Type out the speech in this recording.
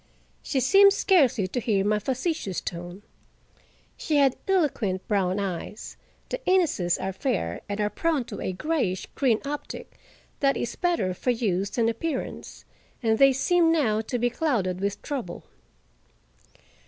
She seemed scarcely to hear my facetious tone. She had eloquent brown eyes—the Inneses are fair, and are prone to a grayish green optic that is better for use than appearance—and they seemed now to be clouded with trouble.